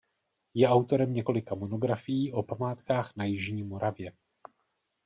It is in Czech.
Je autorem několika monografií o památkách na jižní Moravě.